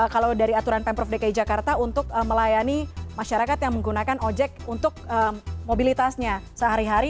kalau dari aturan pemprov dki jakarta untuk melayani masyarakat yang menggunakan ojek untuk mobilitasnya sehari hari